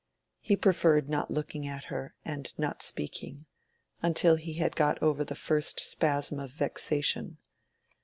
He preferred not looking at her and not speaking, until he had got over the first spasm of vexation.